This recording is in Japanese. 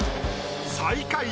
最下位